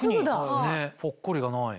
ぽっこりがない。